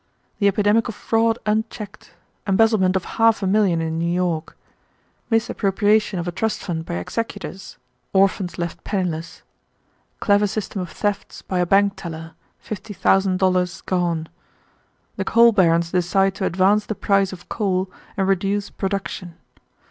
The epidemic of fraud unchecked. Embezzlement of half a million in New York. Misappropriation of a trust fund by executors. Orphans left penniless. Clever system of thefts by a bank teller; $50,000 gone. The coal barons decide to advance the price of coal and reduce production.